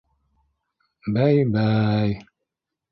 Бәй, бәй!